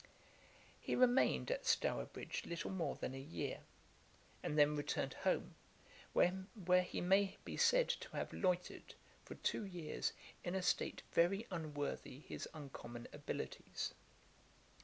He remained at Stourbridge little more than a year, and then returned home, where he may be said to have loitered, for two years, in a state very unworthy his uncommon abilities.